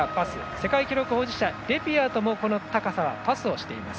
世界記録保持者レピアトもこの高さはパスをしています。